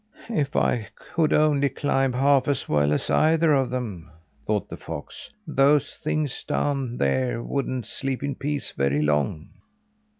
"If I could only climb half as well as either of them," thought the fox, "those things down there wouldn't sleep in peace very long!"